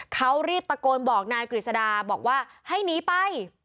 เขารีบตะโกนบอกนายกฤษดาบอกว่าให้หนีไป